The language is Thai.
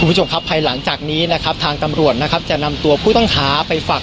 คุณผู้ชมครับภายหลังจากนี้นะครับทางตำรวจนะครับจะนำตัวผู้ต้องหาไปฝาก